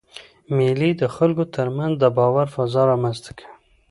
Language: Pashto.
مېلې د خلکو تر منځ د باور فضا رامنځ ته کوي.